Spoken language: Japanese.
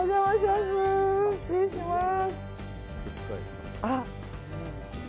失礼します。